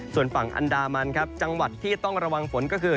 ส่วนฝั่งอันดามันครับจังหวัดที่ต้องระวังฝนก็คือ